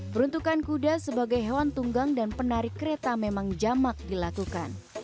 peruntukan kuda sebagai hewan tunggang dan penarik kereta memang jamak dilakukan